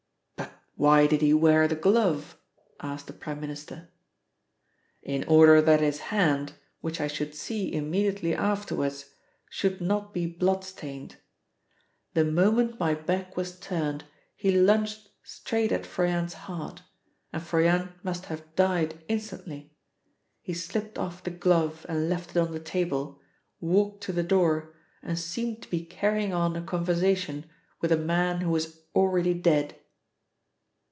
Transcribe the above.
"But why did he wear the glove?" asked the Prime Minister. "In order that his hand, which I should see immediately afterwards, should not be bloodstained. The moment my back was turned, he lunged straight at Froyant's heart, and Froyant must have died instantly. He slipped off the glove and left it on the table, walked to the door, and seemed to be carrying on a conversation with a man who was already dead.